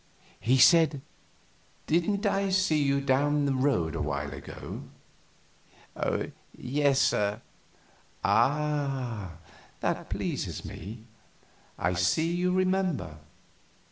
He said, "Didn't I see you down the road awhile ago?" "Yes, sir." "Ah, that pleases me; I see you remember me."